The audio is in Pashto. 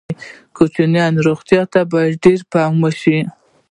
د کوچنیانو روغتیا ته باید ډېر پام وشي.